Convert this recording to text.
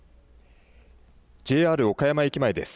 ＪＲ岡山駅前です。